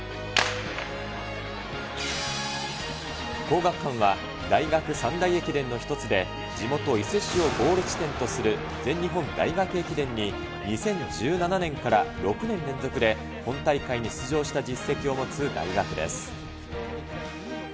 皇學館は、大学三大駅伝の一つで、地元、伊勢市をゴール地点とする全日本大学駅伝に、２０１７年から６年連続で、本大会に出場した実績を持つ大学です。